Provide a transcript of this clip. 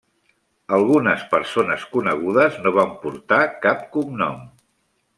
Algunes persones conegudes no van portar cap cognom.